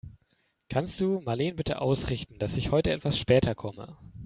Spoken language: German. Kannst du Marleen bitte ausrichten, dass ich heute etwas später komme?